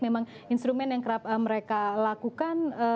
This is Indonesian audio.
memang instrumen yang kerap mereka lakukan